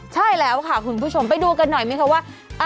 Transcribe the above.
ใช่คุณผู้ชมค่ะพี่พี่มาดูกันหน่อยไหมคะว่า